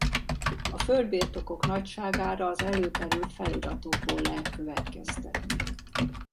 A földbirtokok nagyságára az előkerült feliratokból lehet következtetni.